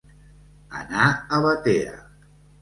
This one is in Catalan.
Anar a Batea.